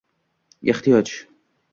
ehtiyoj